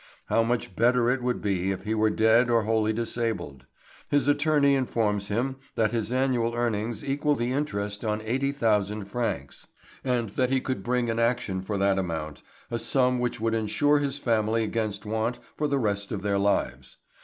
How much better it would be if he were dead or wholly disabled. His attorney informs him that his annual earnings equal the interest on 80,000 francs, and that he could bring an action for that amount a sum which would insure his family against want for the rest of their lives.